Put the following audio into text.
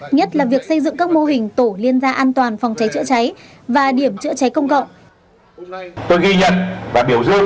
nhất là việc xây dựng các mô hình tổ liên gia an toàn phòng cháy chữa cháy và điểm chữa cháy công cộng